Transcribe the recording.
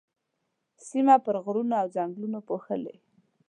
سيمه پر غرونو او ځنګلونو پوښلې.